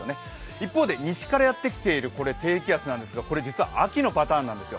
一方で西からやってきている低気圧なんですがこれ、実は秋のパターンなんですよ。